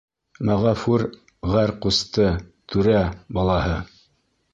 Мәғәфүр ғәр. ҡусты; түрә балаһы;